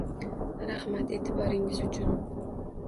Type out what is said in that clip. Rahmat e’tiboringiz uchun.